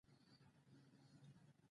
د مدني حقونو غورځنګ وکولای شول چې غږ ورسوي.